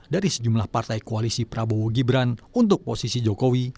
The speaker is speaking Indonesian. dari sejumlah partai koalisi prabowo gibran untuk posisi jokowi